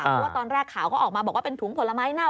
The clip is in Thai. เพราะว่าตอนแรกข่าวก็ออกมาบอกว่าเป็นถุงผลไม้เน่า